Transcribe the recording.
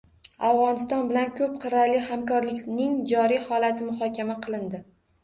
Afg‘oniston bilan ko‘p qirrali hamkorlikning joriy holati muhokama qilindi